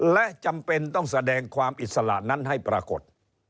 และจำเป็นต้องแสดงความอิสระนั้นให้ปรากฏ